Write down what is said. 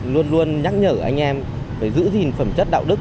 luôn luôn nhắc nhở anh em phải giữ gìn phẩm chất đạo đức